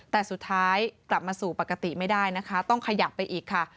แต่สุดท้ายกลับมาสู่ปกติไม่ได้นะคะต้องขยับไปอีกค่ะ